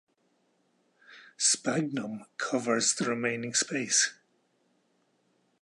Sphagnum covers the remaining space.